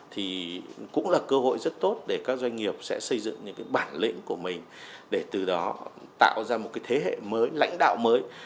thì cũng là cơ hội rất tốt để các doanh nghiệp sẽ xây dựng những cái bản lệnh của mình để từ đó tạo ra một cái thế hệ mới lãnh đạo mới